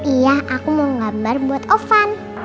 iya aku mau menggambar buat ovan